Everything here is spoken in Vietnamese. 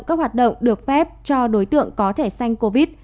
các hoạt động được phép cho đối tượng có thể xanh covid